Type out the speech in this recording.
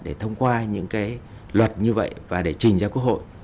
để thông qua những cái luật như vậy và để trình ra quốc hội